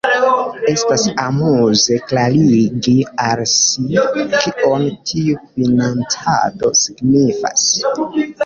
Estas amuze klarigi al si, kion tiu financado signifas.